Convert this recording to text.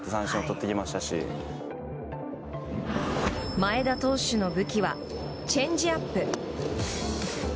前田投手の武器はチェンジアップ。